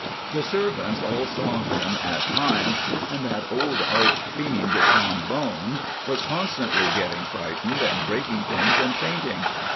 "The servants all saw him at times, and that old arch fiend, Trombone, was constantly getting frightened, and breaking things and fainting.